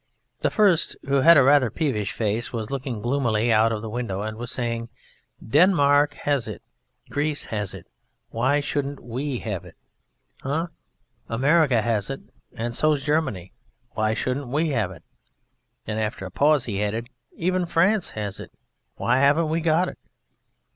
The first, who had a rather peevish face, was looking gloomily out of window and was saying, "Denmark has it: Greece has it why shouldn't we have it? Eh? America has it and so's Germany why shouldn't we have it?" Then after a pause he added, "Even France has it why haven't we got it?"